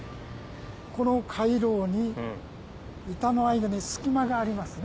この回廊に板の間に隙間がありますね。